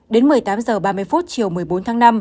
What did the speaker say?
đến một mươi tám h ba mươi chiều một mươi bốn tháng năm